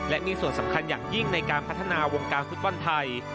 และมีส่วนสำคัญอย่างยิ่งในการพัฒนาวงการฟุตบอลไทย